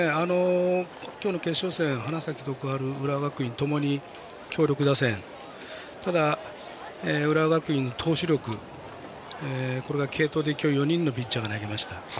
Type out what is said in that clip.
今日の決勝戦花咲徳栄、浦和学院ともに強力打線、ただ浦和学院の投手力これは継投で今日４人のピッチャーが投げました。